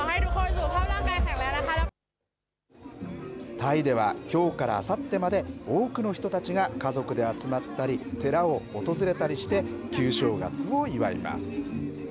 タイではきょうからあさってまで多くの人たちが家族で集まったり寺を訪れたりして旧正月を祝います。